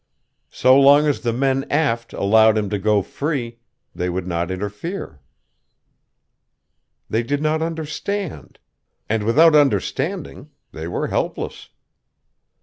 So long as the men aft allowed him to go free, they would not interfere. They did not understand; and without understanding, they were helpless.